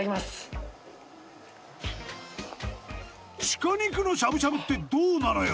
鹿肉のしゃぶしゃぶってどうなのよ？